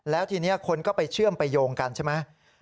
แล้วทีนี้คนก็ไปเชื่อมไปโยงกันใช่ไหม